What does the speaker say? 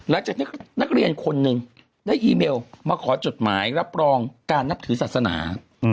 นักเรียนคนหนึ่งได้อีเมลมาขอจดหมายรับรองการนับถือศาสนา